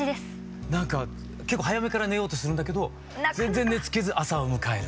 なんか結構早めから寝ようとするんだけど全然寝つけず朝を迎える。